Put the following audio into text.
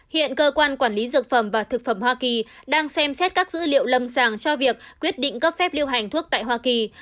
hiện cơ quan quản lý dược phẩm và thực phẩm hoa kỳ đang xem xét các dữ liệu lâm sàng cho việc quyết định cấp phép lưu hành thuốc tại hoa kỳ